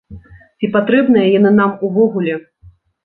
Ці патрэбныя яны нам увогуле?